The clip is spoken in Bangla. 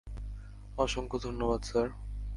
অসংখ্য ধন্যবাদ, স্যার।